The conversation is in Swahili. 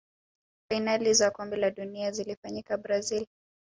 fainali za kombe la dunia zilifanyikia brazil